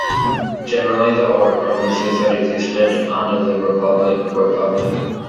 Generally, the older provinces that existed under the Republic were public.